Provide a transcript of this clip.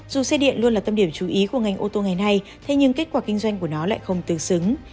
dù xe điện luôn là tâm điểm chú ý của ngành ô tô ngày nay thế nhưng kết quả kinh doanh của nó lại không tương xứng